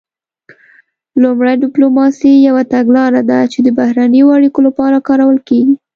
لومړی ډیپلوماسي یوه تګلاره ده چې د بهرنیو اړیکو لپاره کارول کیږي